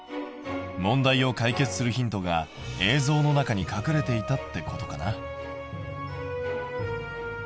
問題を解決するヒントが映像の中に隠れていたってことかな？